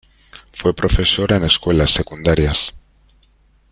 Fue profesor en escuelas secundarias.